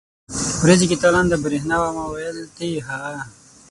ورېځو کې تالنده برېښنا وه، ما وېل ته يې هغه.